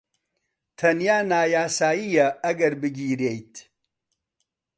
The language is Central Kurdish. تەنیا نایاساییە ئەگەر بگیرێیت.